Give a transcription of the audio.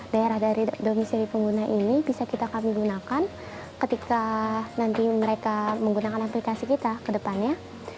daerah dari domisili pengguna ini bisa kita kami gunakan ketika nanti mereka menggunakan aplikasi kita ke depannya